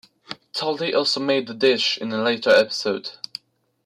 Talde also made the dish in a later episode.